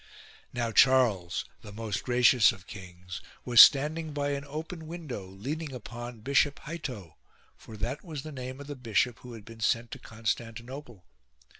Now Charles, the most gracious of kings, was standing by an open window leaning upon Bishop Heitto, for that was the name of the bishop who had been sent to Constan tinople.